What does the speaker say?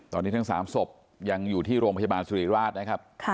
ตอนนี้ทั้ง๓ศพยังอยู่ที่โรงพยาบาลสุริราชนะครับ